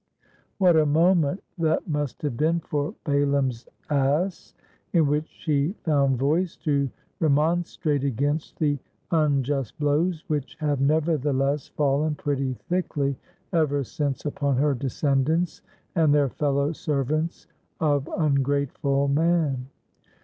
What a moment that must have been for Balaam's ass, in which she found voice to remonstrate against the unjust blows, which have, nevertheless, fallen pretty thickly ever since upon her descendants and their fellow servants of ungrateful man!